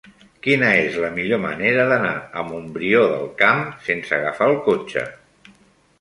Quina és la millor manera d'anar a Montbrió del Camp sense agafar el cotxe?